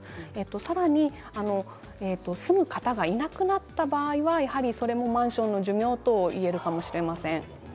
さらに住む方がいなくなった場合は、マンションの寿命といえるかもしれません。